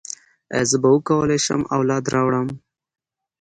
ایا زه به وکولی شم اولاد راوړم؟